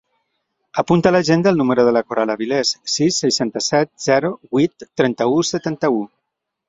Apunta a l'agenda el número de la Coral Aviles: sis, seixanta-set, zero, vuit, trenta-u, setanta-u.